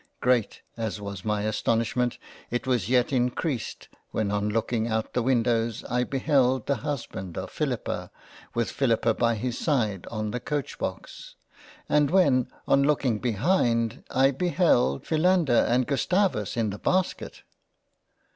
Great as was my astonishment, it was yet increased, when on looking out of Windows, I beheld the Husband of Philippa, with Philippa by his side, on the Coach box and when on looking behind I beheld, Philander and 35 jg JANE AUSTEN £ Gustavus in the Basket.